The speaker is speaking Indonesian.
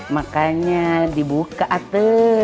makanya dibuka atuh